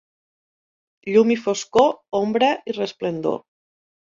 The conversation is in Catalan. Llum i foscor, ombra i resplendor.